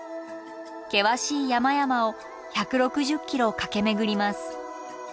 険しい山々を１６０ｋｍ駆け巡ります。